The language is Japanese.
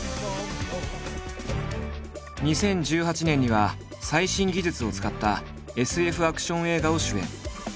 ２０１８年には最新技術を使ったＳＦアクション映画を主演。